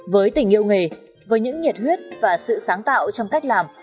với tình yêu nghề với những nhiệt huyết và sự sáng tạo trong cách làm